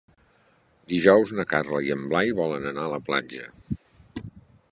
Dijous na Carla i en Blai volen anar a la platja.